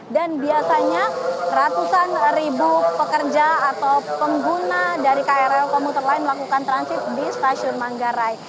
dan biasanya ratusan ribu pekerja atau pengguna dari krl komuter lain melakukan transit di stasiun manggarai